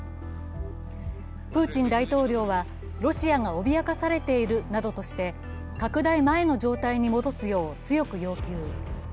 プーチン大統領は、ロシアが脅かされているなどとして拡大前の状態に戻すよう強く要求。